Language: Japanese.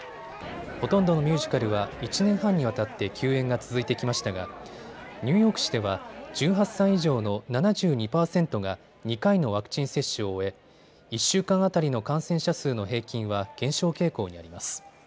ほとんどのミュージカルは１年半にわたって休演が続いてきましたがニューヨーク市では１８歳以上の７２％が２回のワクチン接種を終え、１週間当たりの感染者数の平均は減少傾向にあります。